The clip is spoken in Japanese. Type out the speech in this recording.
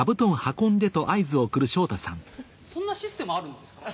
そんなシステムあるんですか？